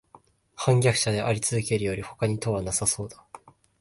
叛逆者でありつづけるよりほかに途はなさそうだ